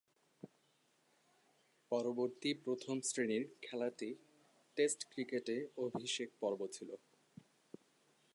পরবর্তী প্রথম-শ্রেণীর খেলাটি টেস্ট ক্রিকেটে অভিষেক পর্ব ছিল।